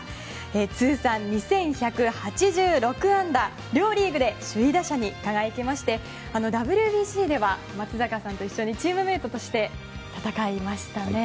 通算２１８６安打、両リーグで首位打者に輝きましてＷＢＣでは、松坂さんと一緒にチームメートとして戦いましたね。